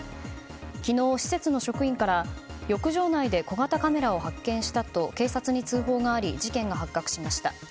昨日、施設の職員から浴場内で小型カメラを発見したと警察に通報があり事件が発覚しました。